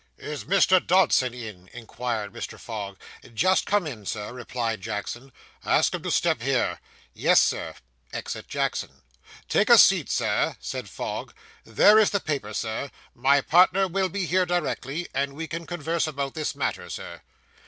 'Is Mr. Dodson in?' inquired Mr. Fogg. 'Just come in, Sir,' replied Jackson. 'Ask him to step here.' 'Yes, sir.' Exit Jackson. 'Take a seat, sir,' said Fogg; 'there is the paper, sir; my partner will be here directly, and we can converse about this matter, sir.